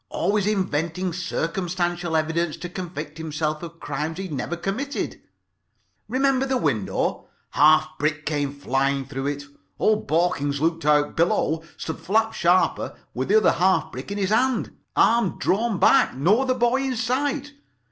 Always inventing circumstantial evidence to convict himself of crimes he had never committed. Remember the window? Half brick came flying through it. Old Borkins looked out. Below stood Flap Sharper with the other half brick in his hand. Arm drawn back. No other boy in sight.